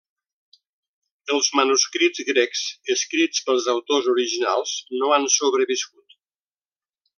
Els manuscrits grecs escrits pels autors originals no han sobreviscut.